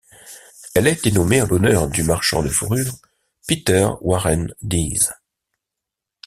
Elle a été nommée en l'honneur du marchand de fourrures Peter Warren Dease.